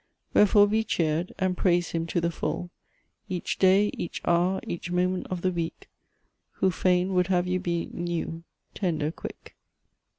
"Wherefore be cheer'd, and praise him to the full "Each day, each hour, each moment of the week "Who fain would have you be new, tender quick."